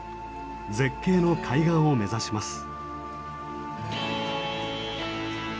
絶景の海岸を目指します。